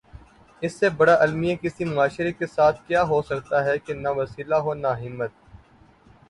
اس سے بڑا المیہ کسی معاشرے کے ساتھ کیا ہو سکتاہے کہ نہ وسیلہ ہو نہ ہمت۔